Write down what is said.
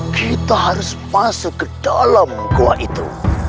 kita harus masuk ke dalam gua itu